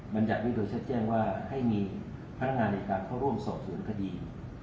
บรรยัติไว้โดยชัดแจ้งว่าให้มีพนักงานในการเข้าร่วมสอบสวนคดี